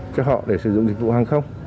cho họ để sử dụng dịch vụ hàng không